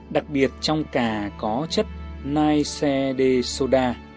đặc biệt trong cà có chất niacin d soda